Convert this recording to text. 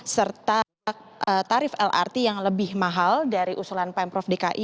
serta tarif lrt yang lebih mahal dari usulan pemprov dki